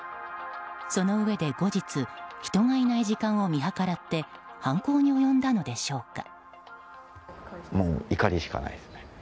そのうえで後日人がいない時間を見計らって犯行に及んだのでしょうか。